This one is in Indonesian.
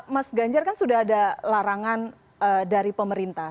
mas ganjar kan sudah ada larangan dari pemerintah